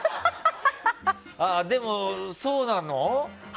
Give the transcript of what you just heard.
でも、そうなの？